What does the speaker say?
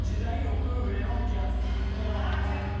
ああ違う。